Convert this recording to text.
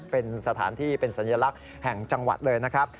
เป็นสถานที่เป็นสัญลักษณ์แห่งจังหวัดเลยนะครับ